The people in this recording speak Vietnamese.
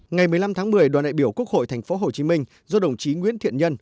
ngày một mươi năm tháng một mươi đoàn đại biểu quốc hội tp hcm do đồng chí nguyễn thiện nhân